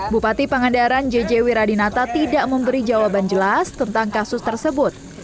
bupati pangandaran jj wiradinata tidak memberi jawaban jelas tentang kasus tersebut